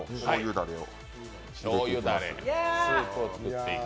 だれを。